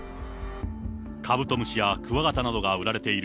カブトムシやクワガタなどが売られている